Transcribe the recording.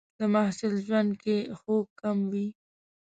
د محصل ژوند کې خوب کم وي.